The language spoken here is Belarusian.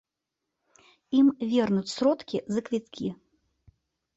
Ім вернуць сродкі за квіткі.